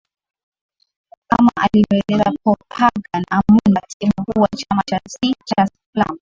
kama anavyoeleza pargan amoon katibu mkuu wa chama cha si cha splm